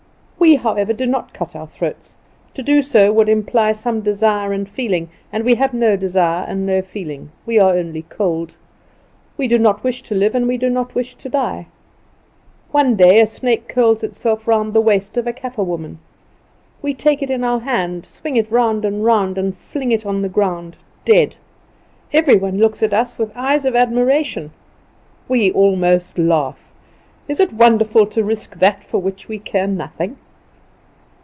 We, however, do not cut our throats. To do so would imply some desire and feeling, and we have no desire and no feeling; we are only cold. We do not wish to live, and we do not wish to die. One day a snake curls itself round the waist of a Kaffer woman. We take it in our hand, swing it round and round, and fling it on the ground dead. Every one looks at us with eyes of admiration. We almost laugh. Is it wonderful to risk that for which we care nothing?